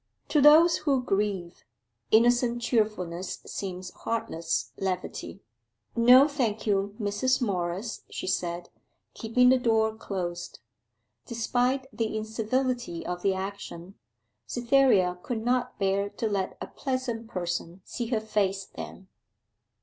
To those who grieve, innocent cheerfulness seems heartless levity. 'No, thank you, Mrs. Morris,' she said, keeping the door closed. Despite the incivility of the action, Cytherea could not bear to let a pleasant person see her face then.